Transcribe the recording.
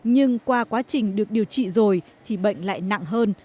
nhưng qua quá trình được điều trị rồi thì bệnh lại nặng hơn